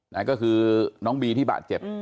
นั่นก็คือน้องบีที่บาดเจ็บ